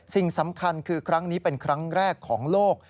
สิ่งสำคัญคือครั้งนี้เป็นครั้งแรกของโลก